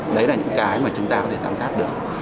đấy là những cái mà chúng ta có thể giám sát được